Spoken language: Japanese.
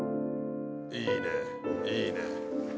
いいねいいね。